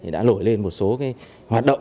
đã lổi lên một số hoạt động